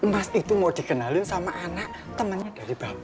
mas itu mau dikenalin sama anak temennya dari bali